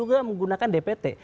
ada juga yang menggunakan dpt